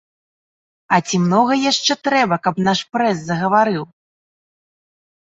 А ці многа яшчэ трэба, каб наш прэс загаварыў?